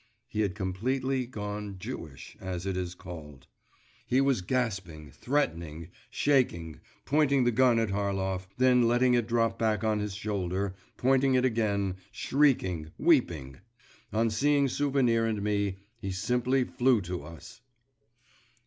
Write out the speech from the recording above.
He had completely gone Jewish, as it is called. He was gasping, threatening, shaking, pointing the gun at Harlov, then letting it drop back on his shoulder pointing it again, shrieking, weeping.… On seeing Souvenir and me he simply flew to us.